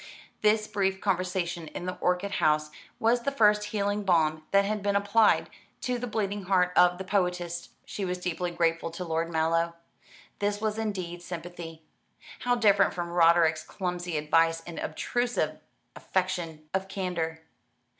This brief conversation in the orchid house was the first healing balm that had been applied to the bleeding heart of the poetess. She was deeply grateful to Lord Mallow. This was indeed sympathy. How different from Roderick's clumsy advice and obtrusive affectation of candour.